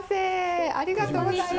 ありがとうございます。